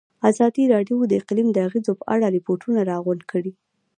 ازادي راډیو د اقلیم د اغېزو په اړه ریپوټونه راغونډ کړي.